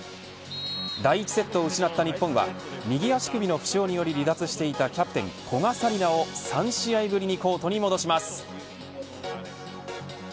第１セットを失った日本は右足首の負傷により離脱していたキャプテン、古賀紗理那を３試合ぶりにコートに戻します。